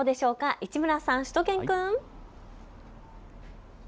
市村さん、しゅと犬くん。